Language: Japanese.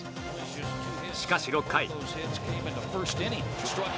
しかし、６回。